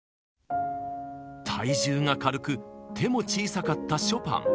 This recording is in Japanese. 体重が軽く手も小さかったショパン。